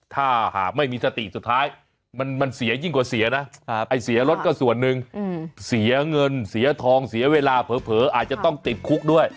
ถ้าหากไม่มีสติสุดท้ายมันเสียยิ่งกว่าเสียนะไอ้เสียรถก็ส่วนหนึ่งเสียเงินเสียทองเสียเวลาเผลออาจจะต้องติดคุกด้วย